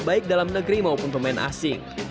baik dalam negeri maupun pemain asing